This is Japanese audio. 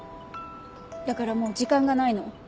だからもう時間がないの。